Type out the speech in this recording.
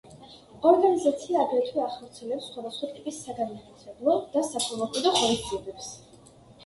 ორგანიზაცია აგრეთვე ახორციელებს სხვადასხვა ტიპის საგანმანათლებლო და საქველმოქმედო ღონისძიებებს.